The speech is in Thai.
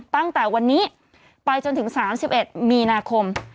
ตั้งแต่วันนี้ไปจนถึง๓๑มีนาคม